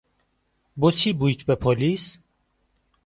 بۆچی بوویت بە پۆلیس؟